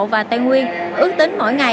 và tây nguyên ước tính mỗi ngày